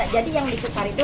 jadi yang dicutari itu